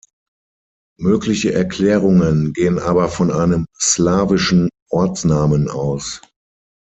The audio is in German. Mögliche Erklärungen gehen aber von einem slawischen Ortsnamen aus.